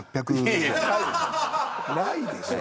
ないでしょ